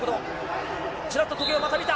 ちらっと時計をまた見た。